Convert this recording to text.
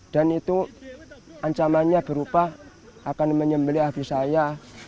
dan itu ancamannya berupa akan menyembeli abis saya